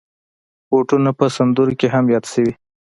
بوټونه په سندرو کې هم یاد شوي.